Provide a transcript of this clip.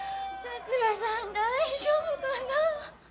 桜さん大丈夫かな。